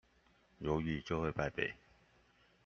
猶豫，就會敗北